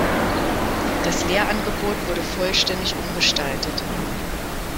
Das Lehrangebot wurde vollständig umgestaltet.